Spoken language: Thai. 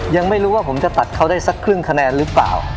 ยังไม่รู้ว่าผมจะตัดเขาได้สักครึ่งคะแนนหรือเปล่า